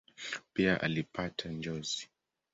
Pia alipata njozi.